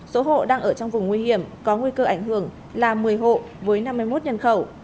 số hộ đang ở trong vùng nguy hiểm có nguy cơ ảnh hưởng là một mươi hộ với năm mươi một nhân khẩu